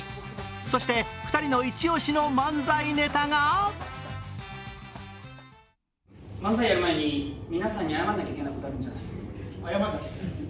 そして、２人の一押しの漫才ネタが漫才やる前に皆さんに謝らなきゃいけないこと、あるんじゃない？